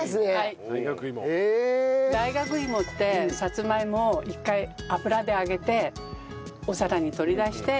大学芋ってさつまいもを一回油で揚げてお皿に取り出して